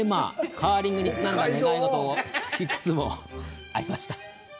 カーリングに、ちなんだ願い事がいくつもありました。